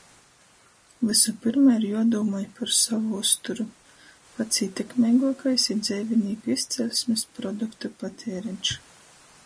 Vysu pyrma ir juodūmoj par sovu uzturu. Pats ītekmeiguokais ir dzeivinīku izceļsmis produktu patiereņš.